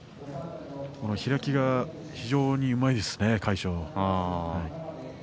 開きが非常にうまいですね。